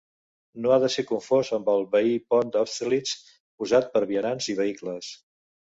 No ha de ser confós amb el veí Pont d'Austerlitz usat per vianants i vehicles.